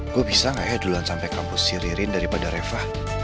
gue bisa gak ya duluan sampai kampus siririn daripada reva